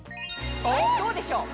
どうでしょう？